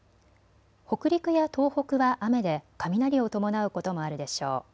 北陸や東北は雨で雷を伴うこともあるでしょう。